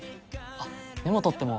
あっメモとっても？